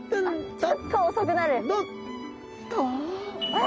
ちょっと遅くなる。